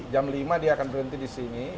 jam lima dia akan berhenti di sini